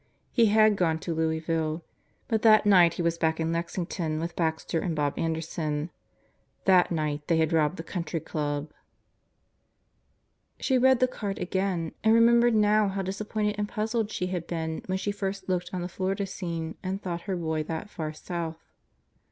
He had gone to Louisville. But that night he was back in Lexington with Baxter and Bob Anderson. That night they had robbed the Country Club. ... She read the card again and remembered now how disappointed and puzzled she had been when she first looked on the Florida scene and thought her boy that far south.